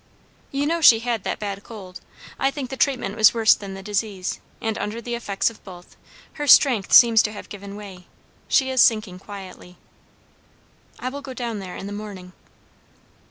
"You know she had that bad cold. I think the treatment was worse than the disease; and under the effects of both, her strength seems to have given way. She is sinking quietly." "I will go down there in the morning."